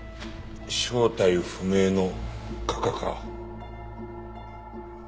正体不明の画家か。